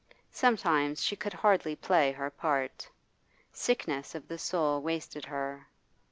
Sometimes she could hardly play her part; sickness of the soul wasted her.